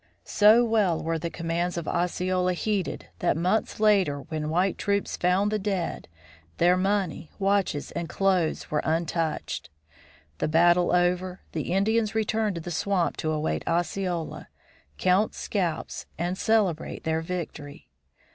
So well were the commands of Osceola heeded that months later when white troops found the dead, their money, watches and clothes were untouched. The battle over, the Indians returned to the swamp to await Osceola, count scalps, and celebrate their victory.